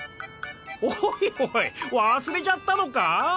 おいおい忘れちゃったのかぁ？